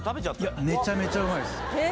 いやめちゃめちゃうまいですへえ